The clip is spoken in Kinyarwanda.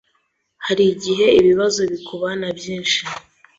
Hari igihe ibibazo bikubana byinshi,